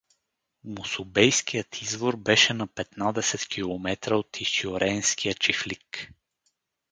Мусубейският извор беше на петнадесет километра от Исьоренския чифлик.